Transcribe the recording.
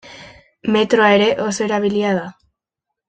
Metroa ere oso erabilia da.